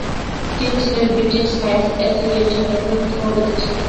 তিনি ছিলেন British science এসোসিয়েশনের অন্যতম প্রতিষ্ঠাতা।